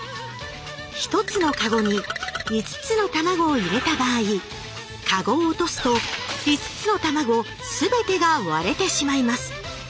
１つのカゴに５つの卵を入れた場合カゴを落とすと５つの卵すべてが割れてしまいます。